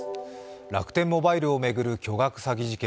楽天モバイルを巡る巨額詐欺事件。